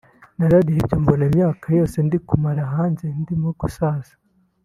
nararebye mbona imyaka yose ndimo kumara hanze ndimo gusaza